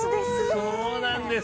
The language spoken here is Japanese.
そうなんです。